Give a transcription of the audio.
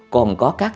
còn có các bãi cát